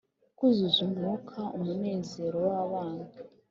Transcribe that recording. kuzuza umwuka umunezero wabana,